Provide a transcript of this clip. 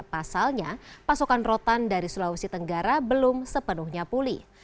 pasalnya pasokan rotan dari sulawesi tenggara belum sepenuhnya pulih